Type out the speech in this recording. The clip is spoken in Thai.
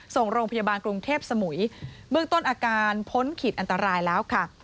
ส่งโรงพยาบาลกรุงเทพสมุยเบื้องต้นอาการพ้นขีดอันตรายแล้วค่ะ